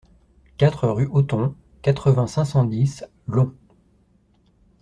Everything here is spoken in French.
quatre rue Hotton, quatre-vingts, cinq cent dix, Long